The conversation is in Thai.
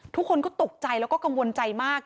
ทุกคนก็ตกใจแล้วก็กังวลใจมาก